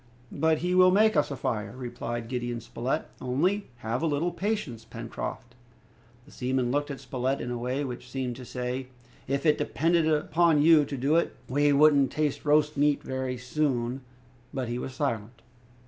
"But he will make us a fire!" replied Gideon Spilett, "only have a little patience, Pencroft!" The seaman looked at Spilett in a way which seemed to say, "If it depended upon you to do it, we wouldn't taste roast meat very soon"; but he was silent.